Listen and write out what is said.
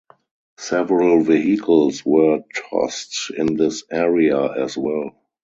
Several vehicles were tossed in this area as well.